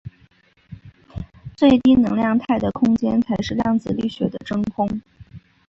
最低能量态的空间才是量子力学的真空。